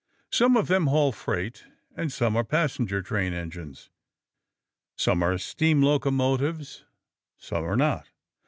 Some of them haul freight, and some are passenger train engines. Some are steam locomotives, some are not.